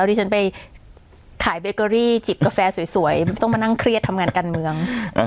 ที่ฉันไปขายเบเกอรี่จิบกาแฟสวยไม่ต้องมานั่งเครียดทำงานการเมือง